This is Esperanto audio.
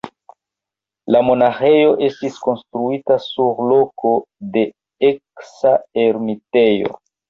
La monaĥejo estis konstruita sur loko de eksa ermitejo.